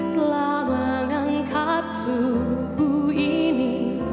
telah mengangkat tubuh ini